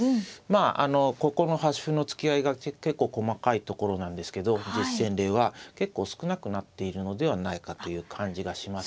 まああのここの端歩の突き合いが結構細かいところなんですけど実戦例は結構少なくなっているのではないかという感じがします。